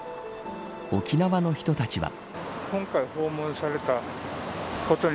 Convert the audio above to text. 沖縄の人たちは。